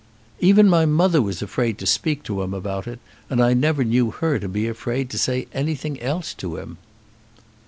"Even my mother was afraid to speak to him about it, and I never knew her to be afraid to say anything else to him."